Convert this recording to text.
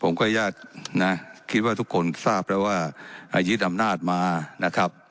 ผมก็อยากคิดว่าทุกคนทราบแล้วว่าอายุดอำนาจมานะครับ